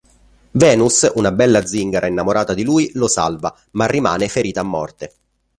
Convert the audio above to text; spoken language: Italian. Venus, una bella zingara innamorata di lui, lo salva, ma rimane ferita a morte.